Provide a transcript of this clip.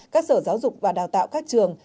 các sở giáo dục và đào tạo các trường